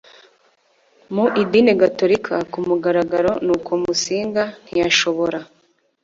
mu idini gatorika ku mugaragaro nuko Musinga ntiyashobora